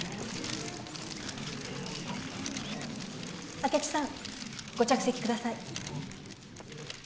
明智さんご着席下さい。